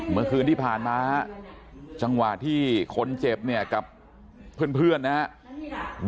เมื่อคืนที่ผ่านมาจังหวะที่คนเจ็บเนี่ยกับเพื่อนนะครับ